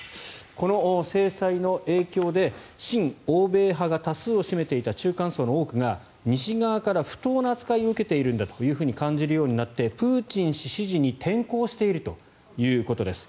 この制裁の影響で親欧米派が多数を占めていた中間層の多くが、西側から不当な扱いを受けているんだと感じるようになってプーチン氏支持に転向しているということです。